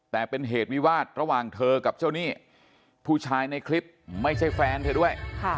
แต่เป็นเหตุวิวาสระหว่างเธอกับเจ้าหนี้ผู้ชายในคลิปไม่ใช่แฟนเธอด้วย